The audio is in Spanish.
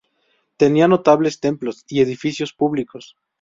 Tenía notables templos y edificios públicos.